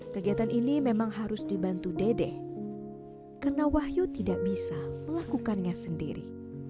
kegiatan ini memang harus dibantu dede karena wahyu tidak bisa melakukannya sendiri